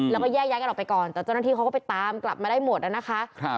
แล้วก็แยกย้ายกันออกไปก่อนแต่เจ้าหน้าที่เขาก็ไปตามกลับมาได้หมดนะคะ